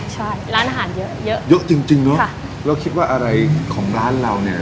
ใช่ร้านอาหารเยอะเยอะเยอะจริงจริงเนอะค่ะเราคิดว่าอะไรของร้านเราเนี่ย